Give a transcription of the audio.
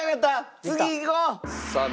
次いこう！